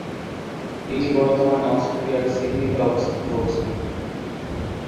তিনি বর্তমানে অস্ট্রেলিয়ার সিডনিতে অবস্থান করছেন।